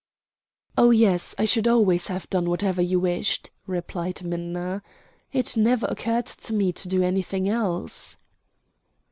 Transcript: "Oh, yes, I should always have done whatever you wished," replied Minna. "It never occurred to me to do anything else."